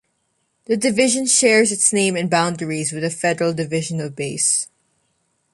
The division shares its name and boundaries with the federal division of Bass.